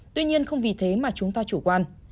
tuy nhiên không vì thế mà chúng ta chủ quan